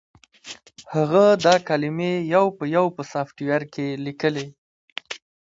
هغه دا کلمې یو په یو په سافټویر کې لیکلې